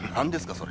それ。